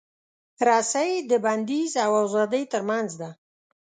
رسۍ د بندیز او ازادۍ ترمنځ ده.